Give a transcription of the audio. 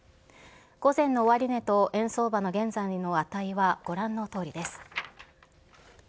午前の終値と円相場の現在の値はご覧のとおりです。